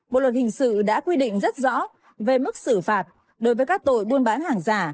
bộ luật hình sự đã quy định rất rõ về mức xử phạt đối với các tội buôn bán hàng giả